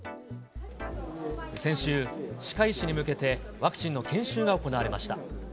先週、歯科医師に向けて、ワクチンの研修が行われました。